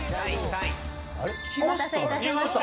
お待たせいたしました。